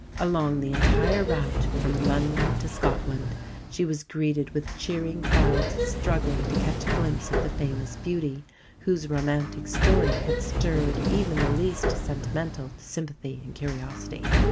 Along the entire route from London to Scotland she was greeted with cheering crowds struggling to catch a glimpse of the famous beauty, whose romantic story had stirred even the least sentimental to sympathy and curiosity.